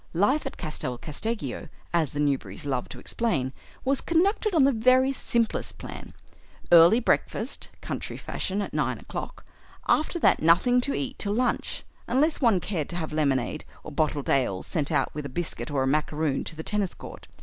Life at Castel Casteggio, as the Newberrys loved to explain, was conducted on the very simplest plan. Early breakfast, country fashion, at nine o'clock; after that nothing to eat till lunch, unless one cared to have lemonade or bottled ale sent out with a biscuit or a macaroon to the tennis court.